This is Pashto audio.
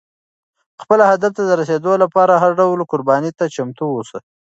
خپل هدف ته د رسېدو لپاره هر ډول قربانۍ ته چمتو اوسه.